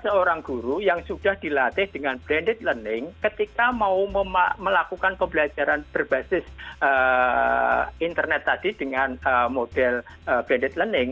seorang guru yang sudah dilatih dengan blended learning ketika mau melakukan pembelajaran berbasis internet tadi dengan model blended learning